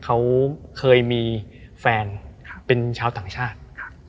เขาเคยมีแฟนเป็นชาวต่างชาติครับ